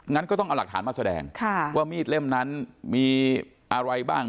งั้นก็ต้องเอาหลักฐานมาแสดงว่ามีดเล่มนั้นมีอะไรบ้าง